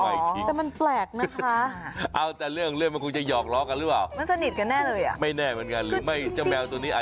มันก็เผินดีมันมีคนมานวดหลังคัดเกาหลังอะไรแบบนี้ป่ะ